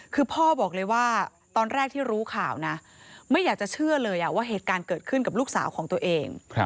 คือพ่อบอกเลยว่าตอนแรกที่รู้ข่าวนะไม่อยากจะเชื่อเลยว่าเหตุการณ์เกิดขึ้นกับลูกสาวของตัวเอง